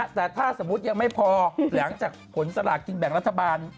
แต่ถ้าสมมุติยังไม่พอหลังจากผลสลากกินแบ่งรัฐบาล